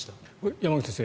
山口先生